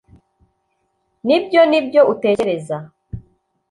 nibyo nibyo utekereza